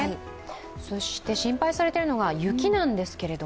そして心配されているのが雪なんですけど。